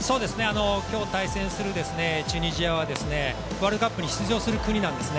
今日対戦するチュニジアは、ワールドカップに出場する国なんです。